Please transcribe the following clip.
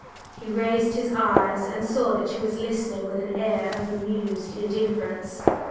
He raised his eyes and saw that she was listening with an air of amused indifference.